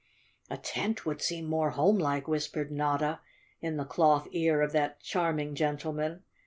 "A tent would seem more homelike," whispered Notta in the cloth ear of that charming gentleman.